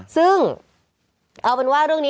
ซึ่งเอาเป็นว่าเรื่องนี้